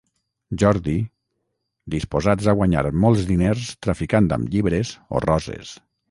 Jordi, disposats a guanyar molts diners traficant amb llibres o roses.